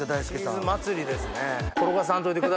チーズ祭りですね。